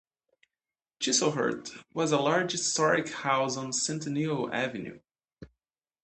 Chislehurst was a large historic house on Centennial Avenue.